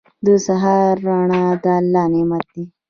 • د سهار روڼا د الله نعمت دی.